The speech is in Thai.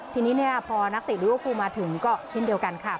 ทีนี้พอนักเตะลิเวอร์พูลมาถึงก็เช่นเดียวกันค่ะ